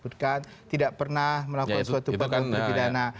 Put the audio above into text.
tidak pernah melakukan suatu perbuatan pidana